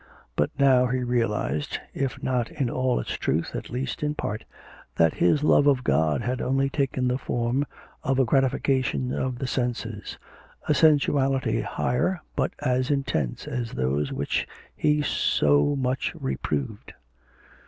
But now he realised if not in all its truth, at least in part that his love of God had only taken the form of a gratification of the senses, a sensuality higher but as intense as those which he so much reproved.